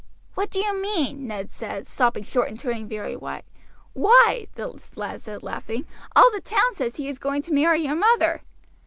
"What do you mean?" Ned said, stopping short and turning very white. "Why," the lad said laughing, "all the town says he is going to marry your mother."